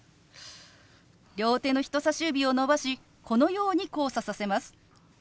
両手の人さし指を伸ばしこのように交差させます。